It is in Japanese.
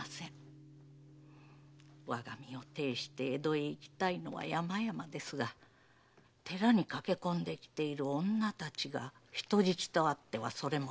我が身を呈して江戸へ行きたいのは山々ですが寺に駆け込んできている女たちが人質とあってはそれもかなわず。